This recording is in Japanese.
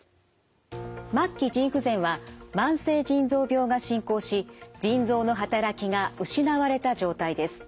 末期腎不全は慢性腎臓病が進行し腎臓の働きが失われた状態です。